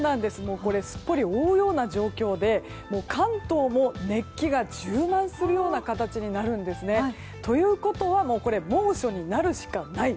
すっぽり覆うような状況で関東も熱気が充満するような形になるんですね。ということは猛暑になるしかない。